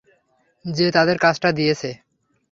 যে তাদের কাজটা দিয়েছে।